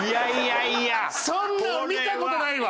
そんなの見た事ないわ！